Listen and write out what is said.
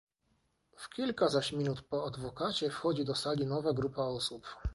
"W kilka zaś minut po adwokacie, wchodzi do sali nowa grupa osób."